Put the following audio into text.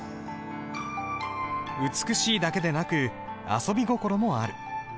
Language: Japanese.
美しいだけでなく遊び心もある。